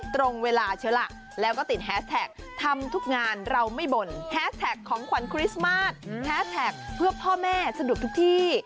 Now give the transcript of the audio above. เพื่อพ่อแม่สะดวกทุกที่